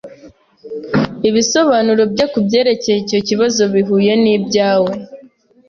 Ibisobanuro bye kubyerekeye icyo kibazo bihuye nibyawe.